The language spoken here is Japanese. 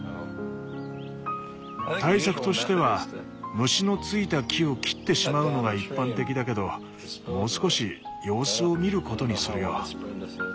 対策としては虫のついた木を切ってしまうのが一般的だけどもう少し様子を見ることにするよ。